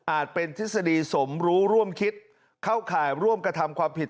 เป็นทฤษฎีสมรู้ร่วมคิดเข้าข่ายร่วมกระทำความผิด